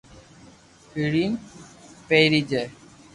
ھيڙين پيري جي